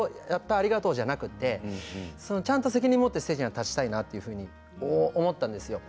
ありがとう！じゃなくてちゃんと責任を持ってステージに立ちたいなと思ったんですよ。